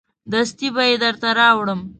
دستي به یې درته راوړم.